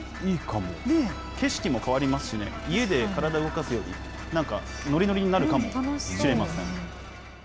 景色も変わりますしね、家で体動かすより、なんか、のりのりになるかもしれません。